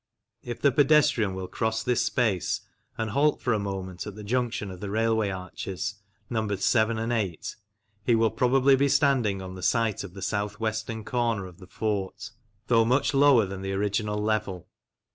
If the pedestrian will cross this space and halt for a moment at the junction of the railway arches numbered seven and eight, he will probably be standing on the site of the south western corner of the fort, though much lower than the original level.